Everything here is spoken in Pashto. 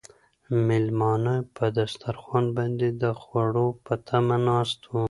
مېلمانه په دسترخوان باندې د خوړو په تمه ناست وو.